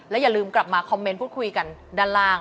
อย่าลืมกลับมาคอมเมนต์พูดคุยกันด้านล่าง